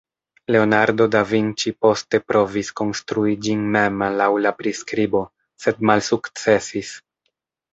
Leonardo da Vinci poste provis konstrui ĝin mem laŭ la priskribo, sed malsukcesis.